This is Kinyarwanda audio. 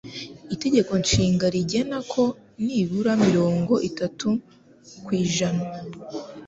Itegeko Nshinga rigena ko nibura mirongo itatu kw'ijna